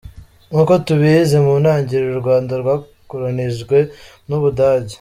Nk’uko tubizi, mu ntangiriro u Rwanda rwakolonijwe n’u Budage.